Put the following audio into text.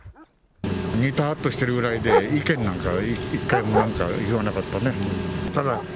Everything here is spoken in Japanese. にたっとしてるぐらいで、意見なんか、１回もなんか、言わなかったね。